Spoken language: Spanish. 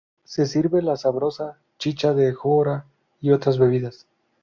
Se sirve la sabrosa chicha de jora y otras bebidas.